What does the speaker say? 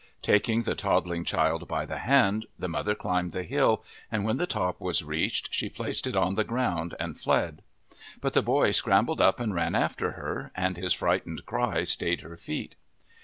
Taking the toddling child by the hand, the mother climbed the hill, and when the top was reached she placed it on the ground and fled. But the boy scrambled up and ran after her, and his frightened cry stayed her feet.